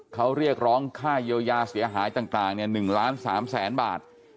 เขาเรียกร้องค่าเยียวยาเสียหายต่าง๑ล้าน๓แสนบาท